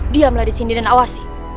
diamlah disini dan awasi